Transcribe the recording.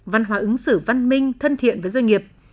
văn hóa ứng xử văn minh thân thiện với doanh nghiệp